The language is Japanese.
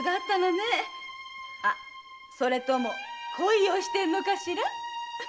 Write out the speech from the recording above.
それとも恋をしてるのかしら？